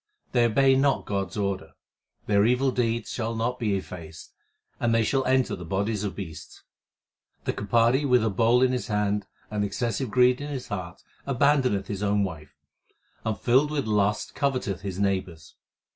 They obey not God s order ; their evil deeds shall not be effaced, and they shall enter the bodies of beasts. The Kapari with a bowl in his hand and excessive greed in his heart Abandoneth his own wife, and filled with lust coveteth his neighbour s.